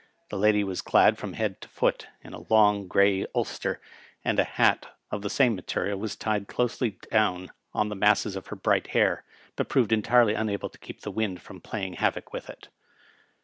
The lady was clad from head to foot in a long soft gray ulster, and a hat of the Digitized by VjOOQIC RILET, M. P. 185 same material was tied closelj down on the masses of her hrigbt hair, but proved entkely unable to keep the wind from playing havoc with it.